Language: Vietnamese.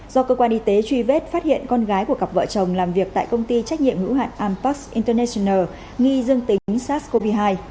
do cơ quan y tế truy vết phát hiện con gái của cặp vợ chồng làm việc tại công ty trách nhiệm hữu hạn ampax international nghi dương tính sars cov hai